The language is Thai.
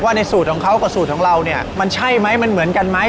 ในสูตรของเขากับสูตรของเราเนี่ยมันใช่ไหมมันเหมือนกันไหม